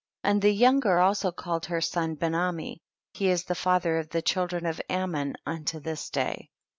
59. And the younger also called her son Benami ; he is the father of the children of Ammon unto this day.